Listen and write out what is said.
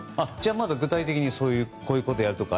具体的にこういうことやるとか。